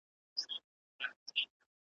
کله یو خوا کله بله شاته تلله `